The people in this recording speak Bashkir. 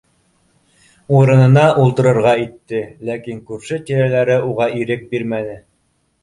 Урынына ултырырға итте, ләкин күрше-тирәләре уға ирек бирмәне: